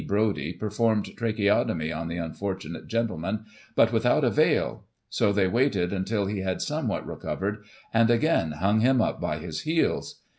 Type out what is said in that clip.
Brodie performed trachaeotomy on the unfortunate gentleman, but without avail; so they waited until he had somewhat re covered, and again hung him up by his heels.